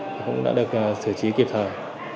cũng đã được xử trí kịp thời